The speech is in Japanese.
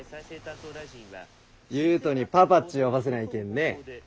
優斗に「パパ」っち呼ばせないけんね。